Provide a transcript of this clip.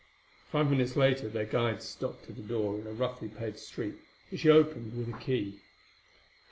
Five minutes later their guide stopped at a door in a roughly paved street, which he opened with a key.